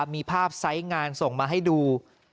มีภาพไซส์งานส่งมาให้ดู